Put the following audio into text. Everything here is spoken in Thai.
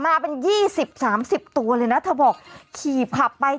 มาเป็น๒๐๓๐ตัวเลยนะเธอบอกขีบขับไป